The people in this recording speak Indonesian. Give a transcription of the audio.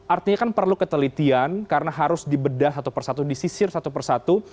artinya kan perlu ketelitian karena harus dibedah satu persatu disisir satu persatu